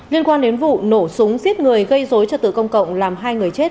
liên quan đến vụ nổ súng giết người gây dối cho tử công cộng làm hai người chết